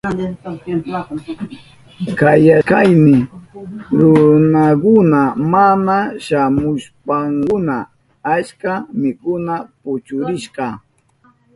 Kayashkayni runakuna mana shamushpankuna achka mikuna puchurishka.